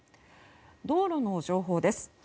道路の情報です。